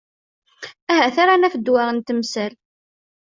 Ahat ara naf ddwa n temsal.